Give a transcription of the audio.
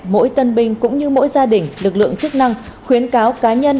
mỗi tân binh cũng như mỗi gia đình lực lượng chức năng khuyến cáo cá nhân